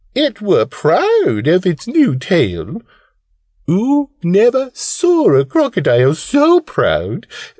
"It were proud of its new tail! Oo never saw a Crocodile so proud!